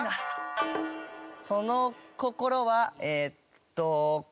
その心はえっと。